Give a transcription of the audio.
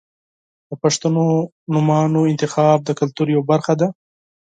• د پښتو نومونو انتخاب د کلتور یوه برخه ده.